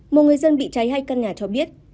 một người dân bị cháy hai căn nhà cho biết